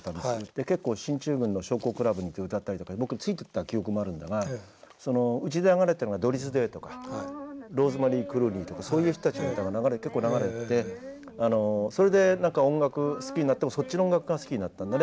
結構進駐軍の将校クラブに行って歌ったりとか僕ついていった記憶もあるんだがうちで流れてるのがドリス・デイとかローズマリー・クルーニーとかそういう人たちの歌が結構流れてて音楽を好きになってもそっちの音楽が好きになったんでね